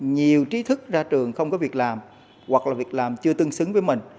nhiều trí thức ra trường không có việc làm hoặc là việc làm chưa tương xứng với mình